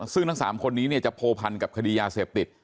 ซึ่งทั้งสามคนนี้เนี่ยจะโผพันกับคดียาเสพติด